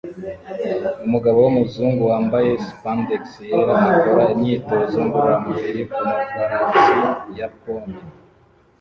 Umugabo wumuzungu wambaye spandex yera akora imyitozo ngororamubiri kumafarasi ya pommel